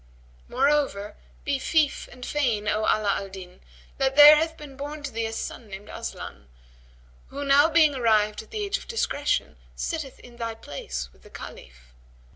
Moreover, be fief and fain, O Ala al Din, that there hath been born to thee a son named Aslan; who now being arrived at age of discretion, sitteth in thy place with the Caliph.